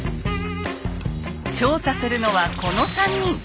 調査するのはこの３人。